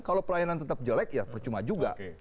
kalau pelayanan tetap jelek ya percuma juga